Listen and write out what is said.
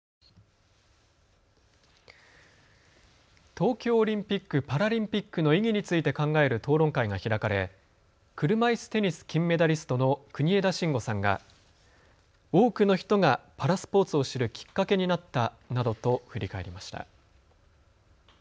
東京オリンピック・パラリンピックの意義について考える討論会が開かれ車いすテニス金メダリストの国枝慎吾さんが多くの人がパラスポーツを知るきっかけになったなどと振り返りました。